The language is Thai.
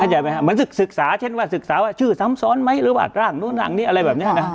เหมือนศึกษาเช่นว่าศึกษาว่าชื่อซ้ำซ้อนไหมหรือว่าร่างนู้นร่างนี้อะไรแบบนี้นะ